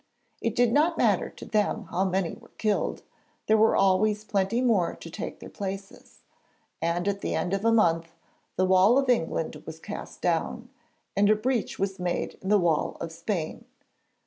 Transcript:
It did not matter to them how many were killed, there were always plenty more to take their places, and at the end of a month the wall of England was cast down, and a breach was made in the wall of Spain.